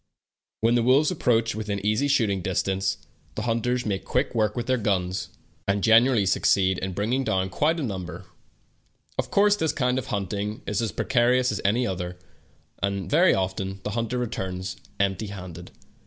When the wolves approach within easy shooting distance, the hunters make quick work with their guns, and CHASED BY WOLVES 159 generally succeed in bringing down quite a num ber. Of course this kind of hunting is as precari ous as any other, and very often the hunter returns empty handed.